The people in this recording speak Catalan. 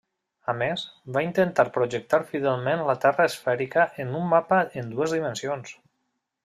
A més, va intentar projectar fidelment la Terra esfèrica en un mapa en dues dimensions.